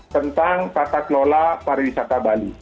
tentang tata kelola pariwisata bali